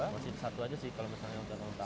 masih satu aja sih kalau misalnya yang terlalu mahal